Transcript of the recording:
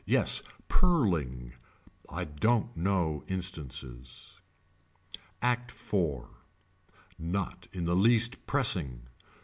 Yes purling. I don't know instances. Act Four. Not in the least pressing.